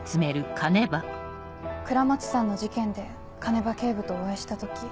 倉持さんの事件で鐘場警部とお会いした時。